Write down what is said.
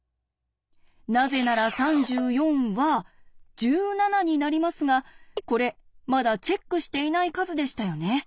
なぜなら３４は１７になりますがこれまだチェックしていない数でしたよね。